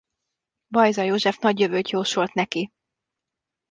Bajza József nagy jövőt jósolt neki.